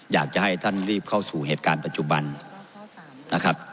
อยากจะให้ท่านรีบเข้าสู่เหตุการณ์ปัจจุบันนะครับ